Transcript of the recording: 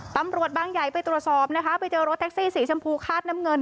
บางใหญ่ไปตรวจสอบนะคะไปเจอรถแท็กซี่สีชมพูคาดน้ำเงิน